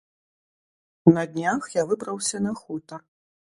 На днях я выбраўся на хутар.